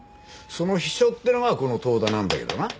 その秘書ってのがこの遠田なんだけどな。